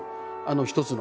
一つの。